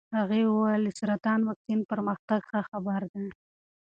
هغې وویل د سرطان واکسین پرمختګ ښه خبر دی.